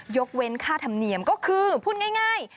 ยกเว้นค่าธรรมเนียมก็คือพูดง่าย